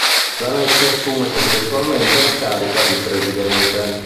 Zanetti assume contestualmente la carica di presidente.